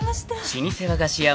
［老舗和菓子屋